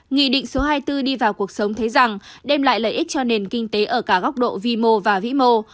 nghị định số hai mươi bốn đi vào cuộc sống thấy rằng đem lại lợi ích cho nền kinh tế ở cả góc độ vi mô và vĩ mô